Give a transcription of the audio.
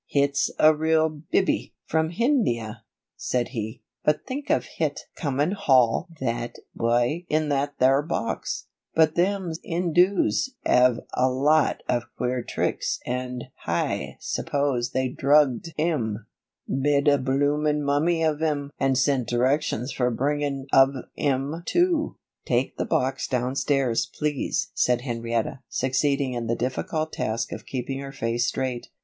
"Hit's a real biby, from Hindia," said he, "but think of hit comin' hall that wy in that there box. But them Indoos 'ave a lot of queer tricks and Hi suppose they drugged 'im, mide a bloomin' mummy of 'im and sent directions for bringin' of 'im to." "Take the box downstairs, please," said Henrietta, succeeding in the difficult task of keeping her face straight.